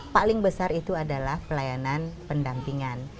paling besar itu adalah pelayanan pendampingan